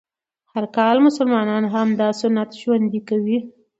هر کال مسلمانان همدا سنت ژوندی کوي